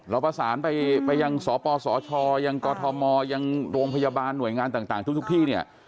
เราประสานไปยังสปสชยังกอทมยังโรงพยาบาลหน่วยงานต่างทุกที่เนี่ย